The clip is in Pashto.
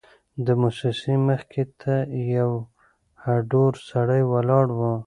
د موسسې مخې ته یو هډور سړی ولاړ و.